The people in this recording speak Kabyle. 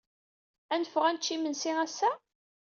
Ad neffeɣ ad nečč imensi ass-a?